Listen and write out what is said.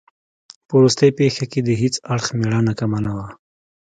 په وروستۍ پېښه کې د هیڅ اړخ مېړانه کمه نه وه.